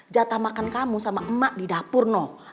jatah makan kamu sama emak di dapur no